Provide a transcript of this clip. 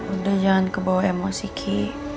udah jangan kebawa emosi ki